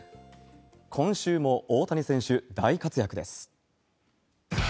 今週も大谷選手、大活躍です。